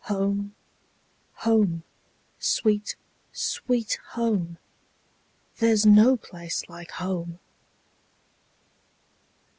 home! sweet, sweet home! There 's no place like home!